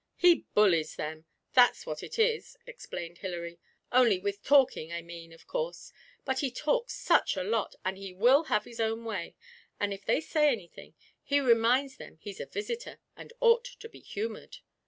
'He bullies them that's what it is,' explained Hilary; 'only with talking, I mean, of course, but he talks such a lot, and he will have his own way, and, if they say anything, he reminds them he's a visitor, and ought to be humoured.